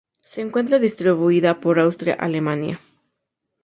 Se encuentra distribuida por Austria, Alemania.